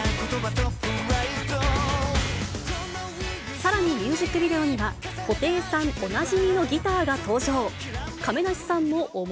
さらにミュージックビデオには、布袋さんおなじみのギターが登場。